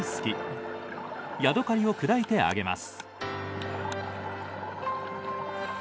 ヤドカリを砕いてあげます。